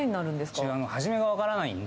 うち、初めが分からないんで。